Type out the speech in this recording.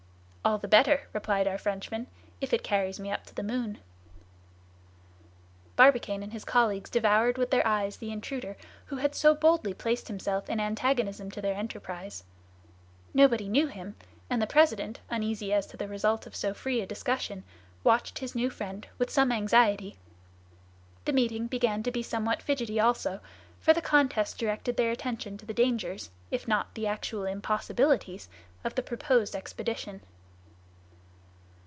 "All the better," replied our Frenchman, "if it carries me up to the moon." Barbicane and his colleagues devoured with their eyes the intruder who had so boldly placed himself in antagonism to their enterprise. Nobody knew him, and the president, uneasy as to the result of so free a discussion, watched his new friend with some anxiety. The meeting began to be somewhat fidgety also, for the contest directed their attention to the dangers, if not the actual impossibilities, of the proposed expedition.